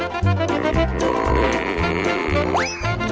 โปรดติดตามตอนต่อไป